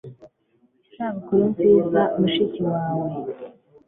isabukuru nziza, mushiki wawe